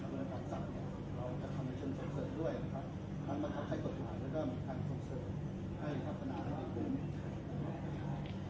ซึ่งในเรื่องนี้เราคิดว่าแค่คำถามเรื่องก่อนของคุณครับ